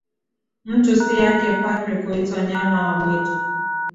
Mtu si yake fakhari, kuitwa nyama wa mwitu